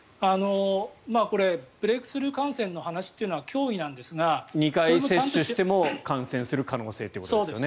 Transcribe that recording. ブレークスルー感染の話というのは２回接種しても感染する可能性ということですね。